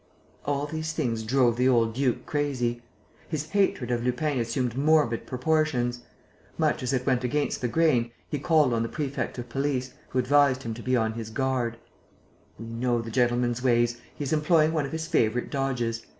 All these things drove the old duke crazy. His hatred of Lupin assumed morbid proportions. Much as it went against the grain, he called on the prefect of police, who advised him to be on his guard: "We know the gentleman's ways; he is employing one of his favourite dodges.